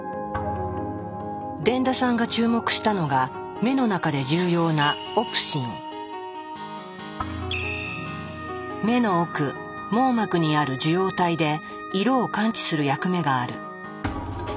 傳田さんが注目したのが目の中で重要な目の奥網膜にある受容体で色を感知する役目がある。